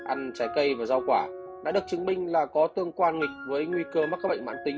ăn trái cây và rau quả đã được chứng minh là có tương quan nghịch với nguy cơ mắc các bệnh mạng tính